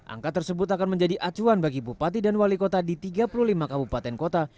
angka tersebut akan menjadi acuan bagi bupati dan wali kota di tiga puluh lima kabupaten kota